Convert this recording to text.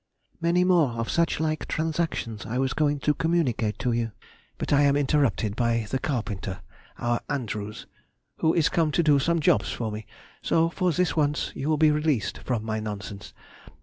Many more of such like transactions I was going to communicate to you, but I am interrupted by the carpenter (our Andrews), who is come to do some jobs for me, so for this once you will be released from my nonsense.